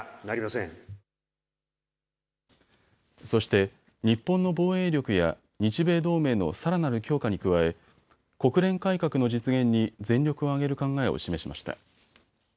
そして、日本の防衛力や日米同盟のさらなる強化に加え国連改革の実現に全力を挙げる考えを示しました。